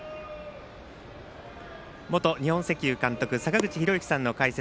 元日本石油監督坂口裕之さんの解説。